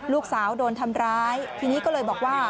ลูกสาวโดนทำร้ายทีนี้ก็เลยบอกว่า